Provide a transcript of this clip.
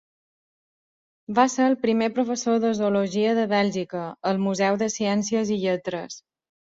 Va ser el primer professor de Zoologia de Bèlgica, al Museu de Ciències i Lletres.